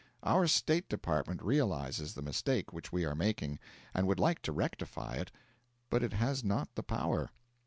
Our State Department realises the mistake which we are making, and would like to rectify it, but it has not the power.